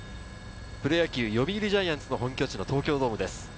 プロ野球、読売ジャイアンツの本拠地・東京ドームです。